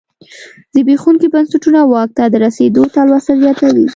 زبېښونکي بنسټونه واک ته د رسېدو تلوسه زیاتوي.